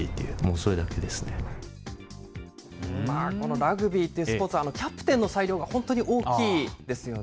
ラグビーというスポーツは、キャプテンの裁量が本当に大きいですよね。